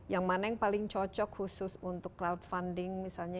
yang mana yang paling cocok khusus untuk crowdfunding misalnya